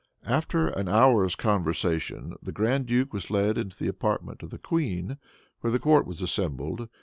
After half an hour's conversation, the grand duke was led into the apartment of the queen, where the court was assembled.